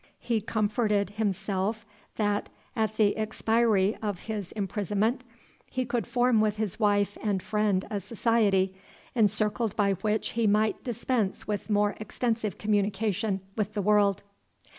He comforted himself, that, at the expiry of his imprisonment, he could form with his wife and friend a society, encircled by which he might dispense with more extensive communication with the world.